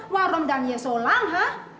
waduh warung dani ya so lang hah